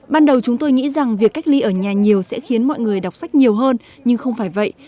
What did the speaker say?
ban đầu chúng tôi nghĩ rằng việc cách ly ở nhà nhiều sẽ khiến mọi người đọc sách nhiều hơn nhưng không phải vậy